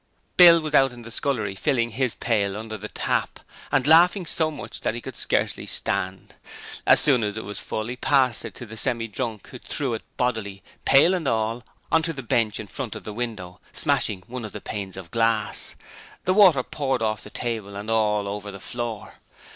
Bill was out in the scullery filling his pail under the tap, and laughing so much that he could scarcely stand. As soon as it was full he passed it to the Semi drunk, who threw it bodily, pail and all, on to the bench in front of the window, smashing one of the panes of glass. The water poured off the table and all over the floor.